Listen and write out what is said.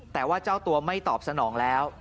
แต่ว่าเจ้าตัวไม่ตอบสนองแล้ว